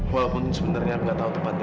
walaupun sebenernya aku gak tau tepatnya